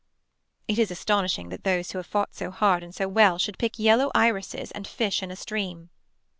It is astonishing that those who have fought so hard and so well should pick yellow irises and fish in a stream.